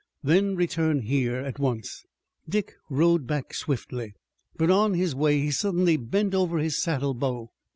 Then return here at once." Dick rode back swiftly, but on his way he suddenly bent over his saddle bow.